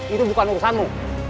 itu bukan urusanmu